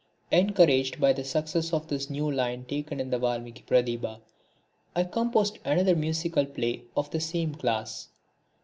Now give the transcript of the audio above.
Encouraged by the success of this new line taken in the Valmiki Pratibha, I composed another musical play of the same class.